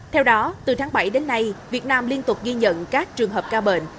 theo đó từ tháng bảy đến nay việt nam liên tục ghi nhận các trường hợp ca bệnh